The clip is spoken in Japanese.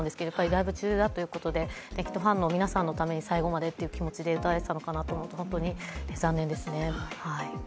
ライブ中だったということでファンの皆さんのために最後までっていう気持ちで歌われてたと思うと、残念ですね。